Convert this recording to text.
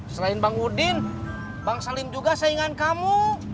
selain bang udin bang salim juga saingan kamu